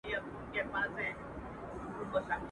ټولي نړۍ ته کرونا ببر یې.